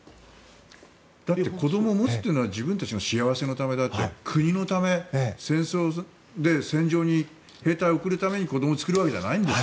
だって子どもを持つというのは自分たちの幸せのためであって国のため、戦争で戦場に兵隊を送るために子どもを作るわけじゃないんです。